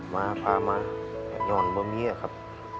มาพามาอย่างยอมเบอร์เมียครับ